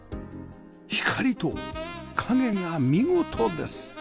光と影が見事です